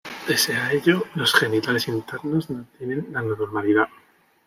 Pese a ello, los genitales internos mantienen la normalidad.